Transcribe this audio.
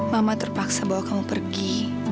mama terpaksa bawa kamu pergi